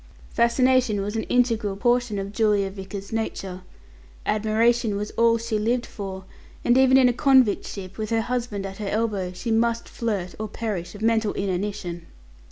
Fascination was an integral portion of Julia Vickers's nature; admiration was all she lived for: and even in a convict ship, with her husband at her elbow, she must flirt, or perish of mental inanition.